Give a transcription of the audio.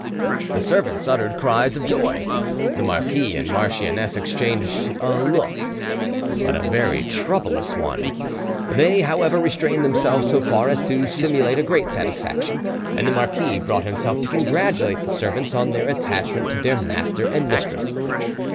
The servants uttered cries of joy; the marquis and marchioness exchanged a look, but a very troublous one; they, however, restrained themselves so far as to simulate a great satisfaction, and the marquis brought himself to congratulate the servants on their attachment to their master and mistress.